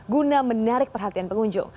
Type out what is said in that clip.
guna menarik perhatian pengunjung